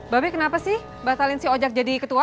babe kenapa sih batalin si ojak jadi ketua